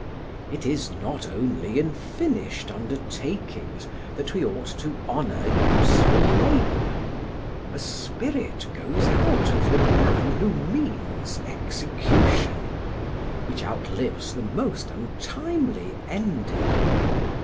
It is not only in finished undertakings that we ought to honour useful labour. A spirit goes out of the man who means execution, which outlives the most untimely ending.